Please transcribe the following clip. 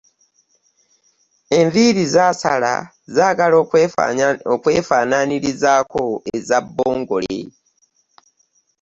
Enviri z'asala zaagala okwefananyirizaako ez'aBbongole.